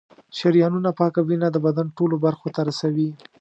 شریانونه پاکه وینه د بدن ټولو برخو ته رسوي.